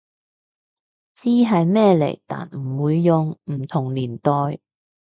知係咩嚟但唔會用，唔同年代